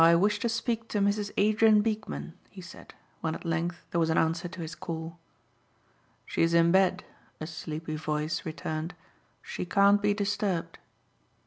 "I wish to speak to Mrs. Adrien Beekman," he said when at length there was an answer to his call. "She is in bed," a sleepy voice returned. "She can't be disturbed."